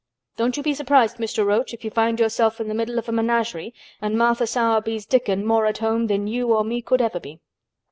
Don't you be surprised, Mr. Roach, if you find yourself in the middle of a menagerie and Martha Sowerby's Dickon more at home than you or me could ever be."